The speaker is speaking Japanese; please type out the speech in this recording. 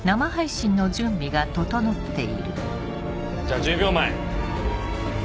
じゃあ１０秒前。